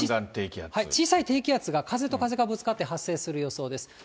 小さい低気圧が、風と風がぶつかって発生する予想です。